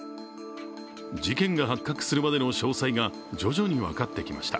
事件が発覚するまでの詳細が徐々に分かってきました。